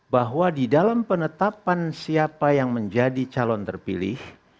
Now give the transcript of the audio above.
bahwa di dalam penetapan siapa yang menjadi calon terpilih